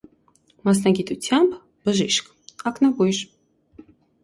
Մասնագիտութեամբ՝ բժիշկ (ակնաբոյժ)։